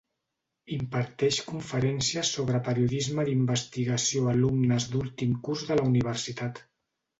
Imparteix conferències sobre periodisme d'investigació a alumnes d'últim curs de la universitat.